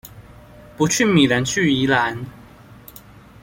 不去米蘭去宜蘭